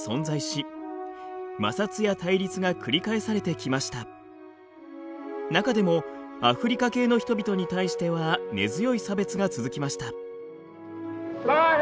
しかし中でもアフリカ系の人々に対しては根強い差別が続きました。